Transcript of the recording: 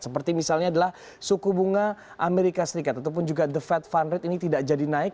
seperti misalnya adalah suku bunga amerika serikat ataupun juga the fed fund rate ini tidak jadi naik